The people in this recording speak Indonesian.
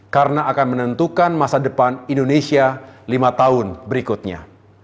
karena akan menentukan masa depan indonesia lima tahun berikutnya